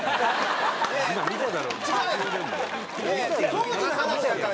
当時の話やからでも。